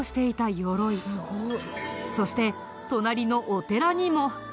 そして隣のお寺にも。